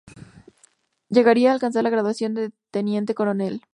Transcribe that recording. Llegaría a alcanzar la graduación de teniente coronel.